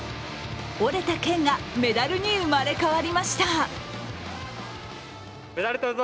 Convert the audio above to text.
折れた剣がメダルに生まれ変わりました。